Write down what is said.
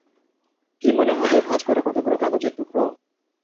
কি মনে হবে, ভাঁজ করা কতগুলো কাগজের টুকরো?